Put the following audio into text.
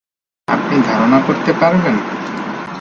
আপনি ধারণা করতে পারবেন?